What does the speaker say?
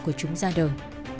của chúng ra đời